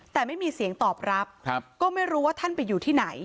แต่ไม่มีเสียงตอบรับก็ไม่รู้ว่าท่านไปอยู่ที่ไหน